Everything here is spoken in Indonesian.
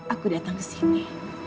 aku datang ke sini